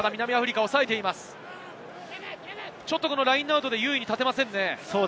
ラインアウトで優位に立てませんね。